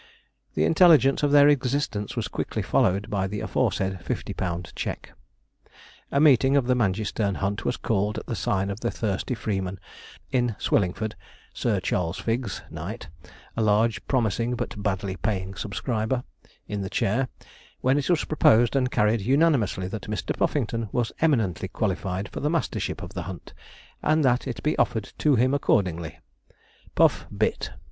The intelligence of their existence was quickly followed by the aforesaid fifty pound cheque. A meeting of the Mangeysterne hunt was called at the sign of the Thirsty Freeman in Swillingford Sir Charles Figgs, Knight a large promising but badly paying subscriber in the chair, when it was proposed and carried unanimously that Mr. Puffington was eminently qualified for the mastership of the hunt, and that it be offered to him accordingly. Puff 'bit.'